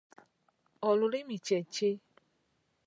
Olulimi kye ki?